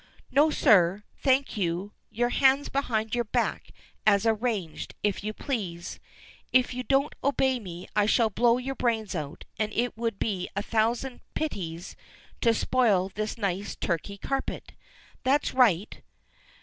No, sir, thank you, your hands behind your back, as arranged, if you please. If you don't obey me I shall blow your brains out, and it would be a thousand pities to spoil this nice Turkey carpet. That's right.